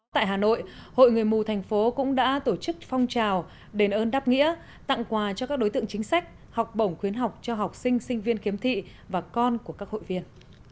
tại hà nội hội người mù thành phố cũng đã tổ chức phong trào đền ơn đáp nghĩa tặng quà cho các đối tượng chính sách học bổng khuyến học cho học sinh sinh viên khiếm thị và con của các hội viên